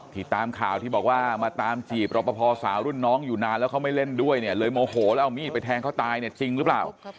ตามข่าวที่บอกว่ามาตามจีบรอปภสาวรุ่นน้องอยู่นานแล้วเขาไม่เล่นด้วยเนี่ยเลยโมโหแล้วเอามีดไปแทงเขาตายเนี่ยจริงหรือเปล่า